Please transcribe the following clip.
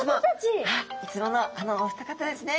いつものあのお二方ですね。